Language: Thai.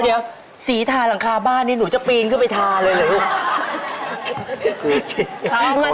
เดี๋ยวสีทาหลังคาบ้านนี่หนูจะปีนขึ้นไปทาเลยเหรอลูก